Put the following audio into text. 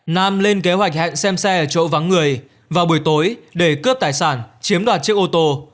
nam lên kế hoạch hẹn xem xe ở chỗ vắng người vào buổi tối để cướp tài sản chiếm đoạt chiếc ô tô